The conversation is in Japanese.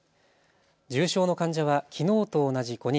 重症の患者はきのうと同じ５人。